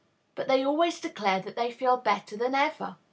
"But they always declare that they feel better than ever."